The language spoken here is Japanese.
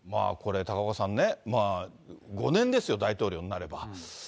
これ、高岡さんね、５年ですよ、大統領になれば。